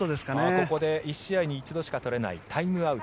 ここで１試合に１度しか取れないタイムアウト。